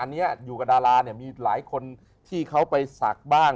อันนี้อยู่กับดาราเนี่ยมีหลายคนที่เขาไปศักดิ์บ้าง